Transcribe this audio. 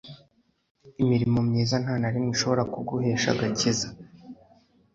Imirimo myiza nta na rimwe ishobora kuguhesha agakiza,